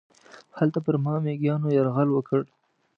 هلته پر ما میږیانو یرغل وکړ.